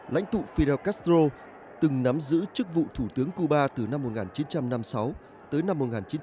lãnh tụ fidel castro từng nắm giữ chức vụ thủ tướng cuba từ năm một nghìn chín trăm năm mươi sáu tới năm một nghìn chín trăm bảy mươi